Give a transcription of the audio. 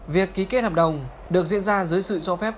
việc ký kết hợp đồng được diễn ra dưới sự cho phép